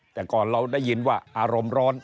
แต่ก่อนเราได้ยินว่าอารมณ์ร้อน